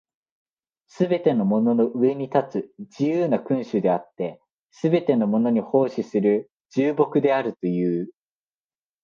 すべてのものの上に立つ自由な君主であって、すべてのものに奉仕する従僕であるという。